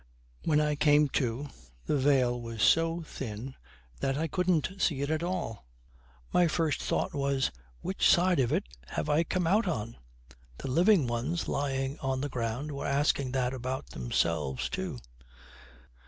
'When I came to, the veil was so thin that I couldn't see it at all; and my first thought was, Which side of it have I come out on? The living ones lying on the ground were asking that about themselves, too.